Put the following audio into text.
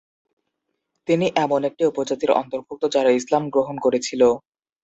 তিনি এমন একটি উপজাতির অন্তর্ভুক্ত যারা ইসলাম গ্রহণ করেছিল।